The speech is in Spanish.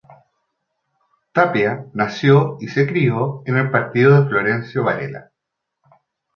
Tapia nació y se crio en el partido de Florencio Varela.